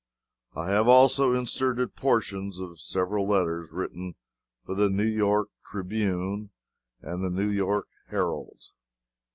I have also inserted portions of several letters written for the New York Tribune and the New York Herald.